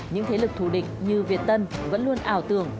những thế lực thù địch như việt tân vẫn luôn ảo tưởng